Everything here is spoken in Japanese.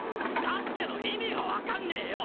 「だって」の意味が分かんねぇよ！